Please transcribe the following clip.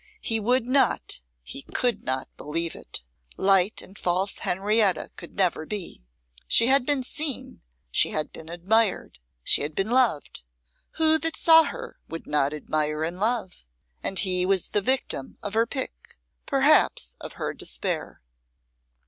he would not, he could not believe it. Light and false Henrietta could never be. She had been seen, she had been admired, she had been loved: who that saw her would not admire and love? and he was the victim of her pique, perhaps of her despair.